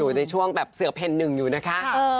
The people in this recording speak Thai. ในช่วงแบบเสือเพ่นหนึ่งอยู่นะคะ